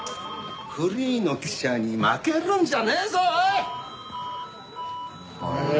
フリーの記者に負けるんじゃねえぞおい！